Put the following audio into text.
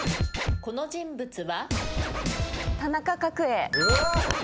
この人物は？